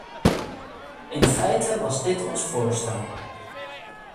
In feite was dit ons voorstel.